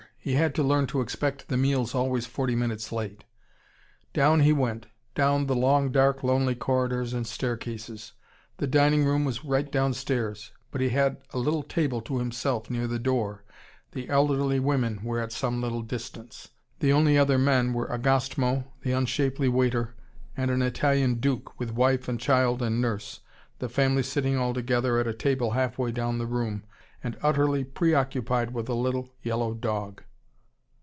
He had to learn to expect the meals always forty minutes late. Down he went, down the long, dark, lonely corridors and staircases. The dining room was right downstairs. But he had a little table to himself near the door, the elderly women were at some little distance. The only other men were Agostmo, the unshapely waiter, and an Italian duke, with wife and child and nurse, the family sitting all together at a table halfway down the room, and utterly pre occupied with a little yellow dog.